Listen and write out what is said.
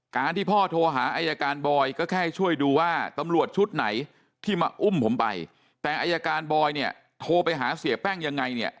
ที่พ่อโทรหาอายการบอยก็แค่ให้ช่วยดูว่าตำรวจชุดไหนที่มาอุ้มผมไปแต่อายการบอยเนี่ยโทรไปหาเสียแป้งยังไงเนี่ย